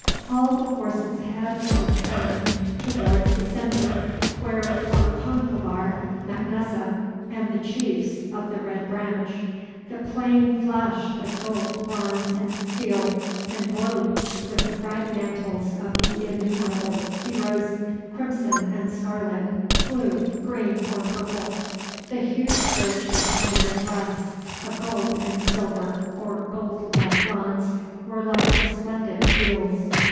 All the horses' heads were turned towards the centre where were Concobar Mac Nessa and the chiefs of the Red Branch. The plain flashed with gold, bronze, and steel, and glowed with the bright mantles of the innumerable heroes, crimson and scarlet, blue, green, or purple. The huge brooches on their breasts, of gold and silver or gold like bronze, were like resplendent wheels.